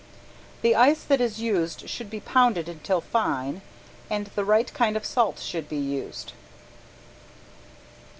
The ice that is used should be pounded until fine, and the right kind of salt should be used.